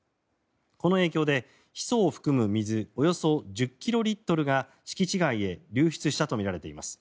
この影響でヒ素を含む水およそ１０キロリットルが敷地外へ流出したとみられています。